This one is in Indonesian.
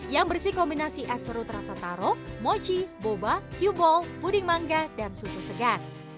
yang bersih kombinasi es serut rasa taro mochi boba cuball puding mangga dan susu segan